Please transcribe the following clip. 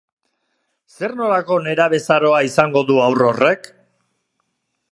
Ze nolako nerabezaroa izango du haur horrek?